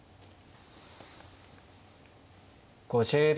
５０秒。